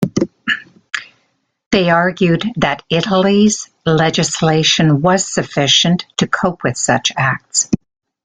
They argued that Italy's legislation was sufficient to cope with such acts.